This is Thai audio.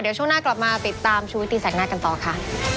เดี๋ยวช่วงหน้ากลับมาติดตามชูวิตตีแสงหน้ากันต่อค่ะ